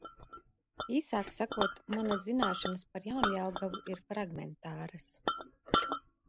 Īsāk sakot – manas zināšanas par Jaunjelgavu ir fragmentāras.